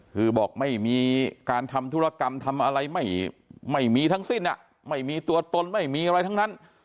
คือบอกไม่มีการทำธุรกรรมทำอะไรไม่มีทั้งสิ้นไม่มีตัวตนไม่มีอะไรทั้งนั้น